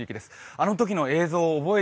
あのときの映像を覚え